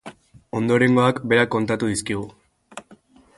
Ondorengoak berak kontatu dizkigu.